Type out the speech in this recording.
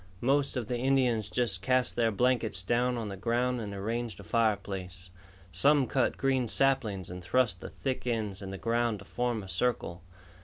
Most of the Indians just cast their blankets down on the ground and arranged a fireplace. Some cut green saplings and thrust the thick ends in the ground to form a circle.